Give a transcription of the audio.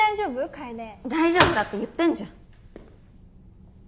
楓大丈夫だって言ってんじゃん！